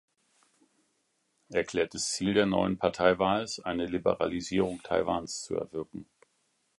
Erklärtes Ziel der neuen Partei war es, eine Liberalisierung Taiwans zu erwirken.